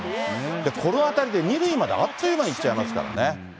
この当たりで２塁まであっという間に行っちゃいますからね。